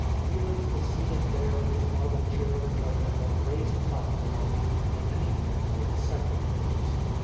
Felix was seated there in his marble chair of judgment on a raised platform, and beneath him were his secretaries.